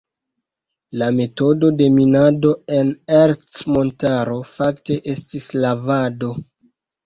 La metodo de minado en Ercmontaro fakte estis "lavado".